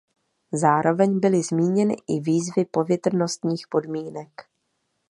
Zároveň byly zmíněny i výzvy povětrnostních podmínek.